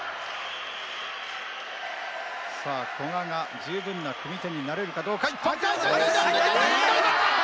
さあ古賀が十分な組み手になれるかどうか。